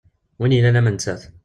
Win yellan am nettat.